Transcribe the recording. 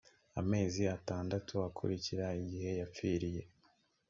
amezi atandatu akurikira igihe yapfiriye